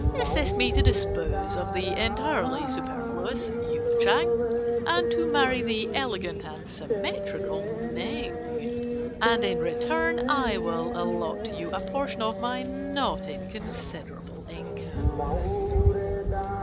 Assist me to dispose of the entirely superfluous Yung Chang and to marry the elegant and symmetrical Ning, and in return I will allot to you a portion of my not inconsiderable income.